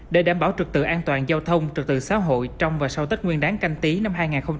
để đảm bảo trực tự an toàn giao thông trật tự xã hội trong và sau tết nguyên đáng canh tí năm hai nghìn hai mươi